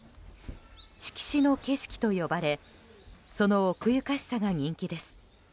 色紙の景色と呼ばれその奥ゆかしさが人気です。